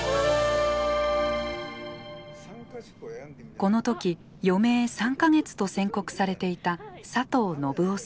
この時余命３か月と宣告されていた佐藤信男さん。